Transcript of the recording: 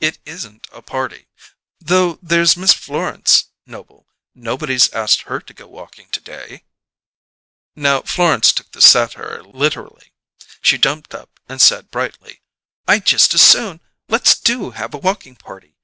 "It isn't a party though there's Miss Florence, Noble. Nobody's asked her to go walking to day!" Now, Florence took this satire literally. She jumped up and said brightly: "I just as soon! Let's do have a walking party.